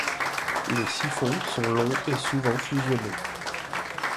Les siphons sont longs et souvent fusionnés.